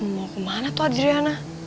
mau kemana tuh adriana